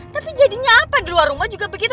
tapi jadinya apa di luar rumah juga begitu